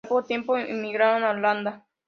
Al poco tiempo emigraron a Holanda.